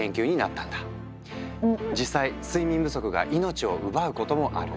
実際睡眠不足が命を奪うこともある。